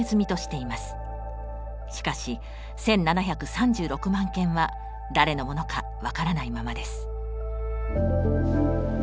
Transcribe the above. しかし１，７３６万件は誰のものか分からないままです。